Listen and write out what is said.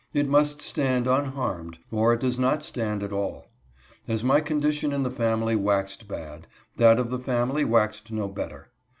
It must stand unharmed, or it does not stand at all. As my condition in the family waxed bad, that of the family waxed no better.